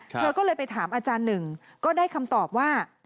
เธอก็เลยไปถามอาจารย์หนึ่งก็ได้คำตอบว่า